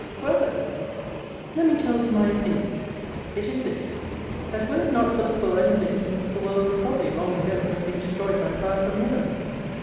Well, then! let me tell thee my opinion It is this, that were it not for the poor and the middling, the world would probably, long ago, have been destroyed by fire from Heaven.